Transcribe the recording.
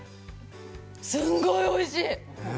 すんごいおいしい！